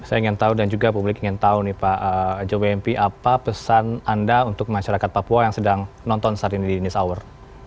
saya ingin tahu dan juga publik ingin tahu nih pak jwmp apa pesan anda untuk masyarakat papua yang sedang nonton saat ini di news hour